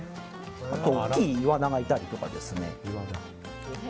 あと大きいイワナがいたりですね。